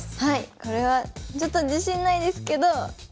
これはちょっと自信ないですけど３で。